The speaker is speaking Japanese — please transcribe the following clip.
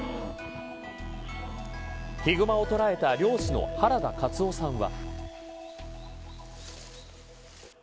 ヒグマを捕らえた猟師の原田勝男さんは。